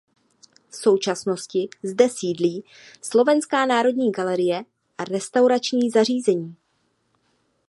V současnosti zde sídlí Slovenská národní galerie a restaurační zařízení.